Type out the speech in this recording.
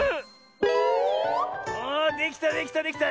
おおできたできたできた！